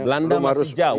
belanda masih jauh